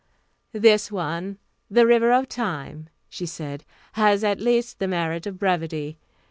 "This one, The River of Time," she said, "has at least the merit of brevity.